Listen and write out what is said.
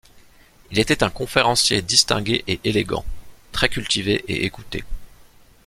Il était un conférencier distingué et éloquent, très cultivé et écouté.